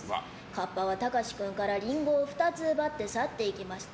カッパはタカシ君からリンゴを２つ奪って去っていきました。